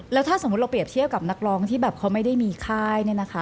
แล้วถ้าสมมุติเราเปรียบเทียบกับนักร้องที่แบบเขาไม่ได้มีค่ายเนี่ยนะคะ